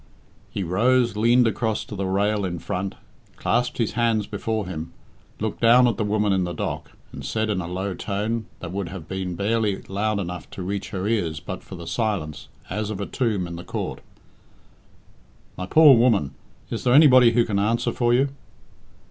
He rose, leaned across to the rail in front, clasped his hands before him, looked down at the woman in the dock, and said in a low tone, that would have been barely loud enough to reach her ears but for the silence, as of a tomb, in the court, "My poor woman, is there anybody who can answer for you?"